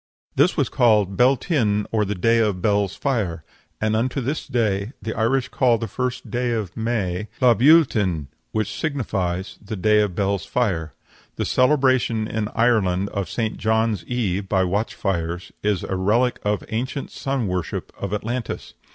This was called Beltinne, or the day of Bel's fire. And unto this day the Irish call the first day of May "Lha Beul tinne," which signifies "the day of Bel's fire." The celebration in Ireland of St. John's eve by watch fires is a relic of the ancient sun worship of Atlantis.